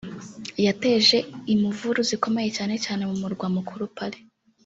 yateje imuvuru zikomeye cyane cyane mu murwa mukuru Paris